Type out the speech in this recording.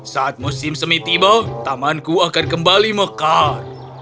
saat musim semi tiba tamanku akan kembali mekar